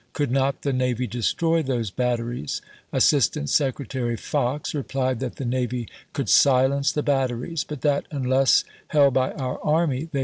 Could not the navy destroy those batteries ? Assistant Secretary Fox replied that the navy could silence the bat teries, but that unless held by our army, they Ch.